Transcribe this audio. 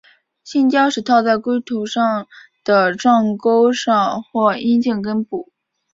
性交时套在龟头的状沟上或阴茎根部。